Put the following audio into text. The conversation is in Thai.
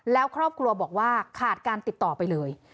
แล้วครอบครัวบอกว่าขาดการติดต่อไปเลย